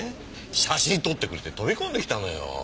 写真撮ってくれって飛び込んできたのよ。